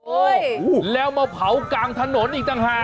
โอ้โหแล้วมาเผากลางถนนอีกต่างหาก